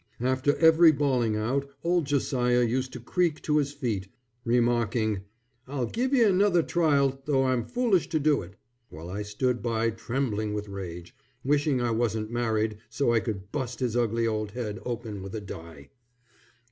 After every bawling out, old Josiah used to creak to his feet, remarking, "I'll give ye another trial though I'm foolish to do it," while I stood by trembling with rage, wishing I wasn't married so I could bust his ugly old head open with a die.